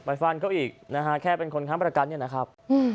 ฟันเขาอีกนะฮะแค่เป็นคนค้ำประกันเนี่ยนะครับ